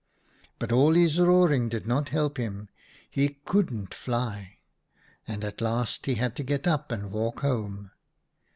" But all his roaring did not help him, he couldn't fly, and at last he had to get up and walk home.